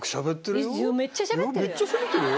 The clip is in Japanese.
めっちゃしゃべってるよ。